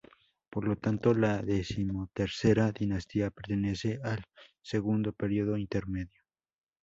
Por lo tanto, la Decimotercera Dinastía pertenece al Segundo Período Intermedio.